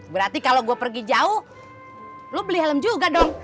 berarti kalau gue pergi jauh lo beli helm juga dong